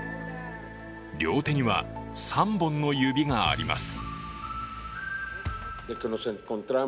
両手には３本の指があります。